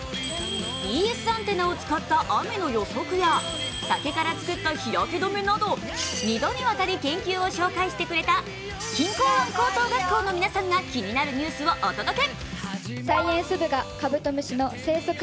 ＢＳアンテナを使った雨の予測や竹から作った日焼け止めなど２度にわたりる研究を紹介してくれた錦江湾高等学校の皆さんが気になるニュースをお届け。